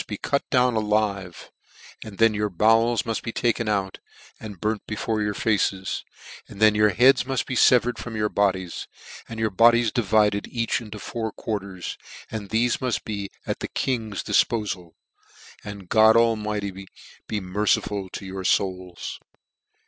be cut down alive ; then your bowels muft be taken out, and burnt before your faces ; then your heads muff: be fevered from your bodies, and your bodies di vided each into four quarters ; and thefe mult bt* at the King's difpofal. And God Almighty be merciful to your fouls."